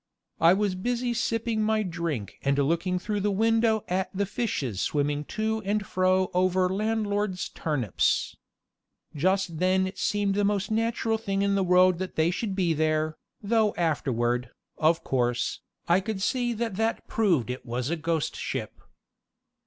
I was busy sipping my drink and looking through the window at the fishes swimming to and fro over landlord's turnips. Just then it seemed the most natural thing in the world that they should be there, though afterward, of course, I could see that that proved it was a ghost ship.